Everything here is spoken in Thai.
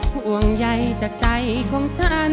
ห่วงใยจากใจของฉัน